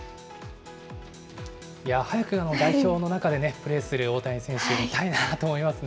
早く代表の中でプレーする大谷選手、見たいなと思いますね。